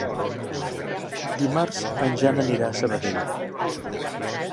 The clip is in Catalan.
Dimarts en Jan anirà a Sabadell.